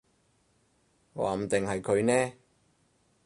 話唔定係佢呢